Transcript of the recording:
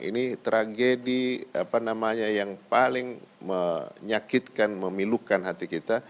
ini tragedi apa namanya yang paling menyakitkan memilukan hati kita